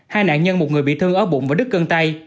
hai nạn nhân một người bị thương ở bụng và đứt gân tay